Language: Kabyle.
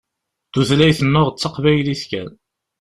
Tutlayt-nneɣ d taqbaylit kan.